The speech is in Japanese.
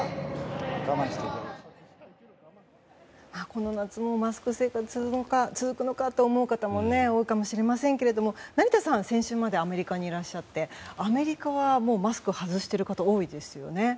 この夏もマスク生活が続くのかと思う方もいらっしゃるかもしれませんけど成田さん、先週までアメリカにいらっしゃってアメリカはもうマスクを外している方、多いですよね。